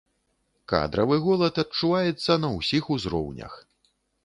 Кадравы голад адчуваецца на ўсіх узроўнях.